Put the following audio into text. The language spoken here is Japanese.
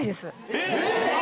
えっ？